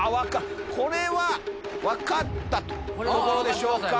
これは分かった！といったところでしょう。